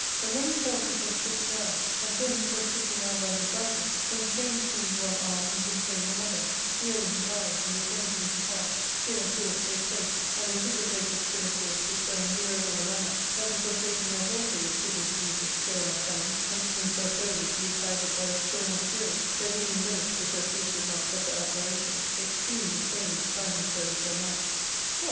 But, when he felt him self stricken down, and saw himself stricken down by his rival, then shame seemed one arm, and disdain another ; fury in his eyes, and revenge in his heart ; skill and force gave place, and they took the place of skill and force with so unweariable a manner that the Forsaken Knight also was driven to leave the stern of cunning, and give himself wholly to be guided by the storm of fury, there being in both, be cause hate would not suffer admiration, extreme disdain to find themselves so matched. " What